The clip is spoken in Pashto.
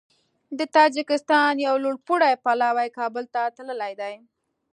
د تاجکستان یو لوړپوړی پلاوی کابل ته تللی دی